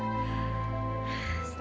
serasi kan nanti kita berdua